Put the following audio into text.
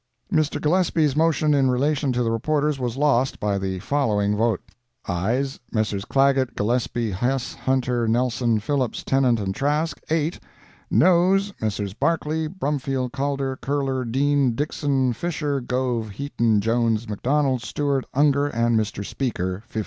Mr. Gillespie's motion in relation to the reporters was lost, by the following vote: AYES—Messrs. Clagett, Gillespie, Hess, Hunter, Nelson, Phillips, Tennant and Trask—8. NOES—Messrs. Barclay, Brumfield, Calder, Curler, Dean, Dixson, Fisher, Gove, Heaton, Jones, McDonald, Stewart, Ungar and Mr. Speaker—15.